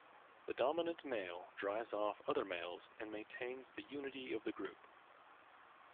The dominant male drives off other males and maintains the unity of the group.